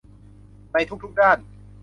ในทุกทุกด้าน